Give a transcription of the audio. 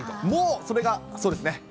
もうそれがそうですね。